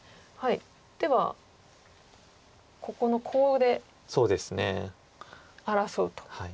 ではここのコウで争うと。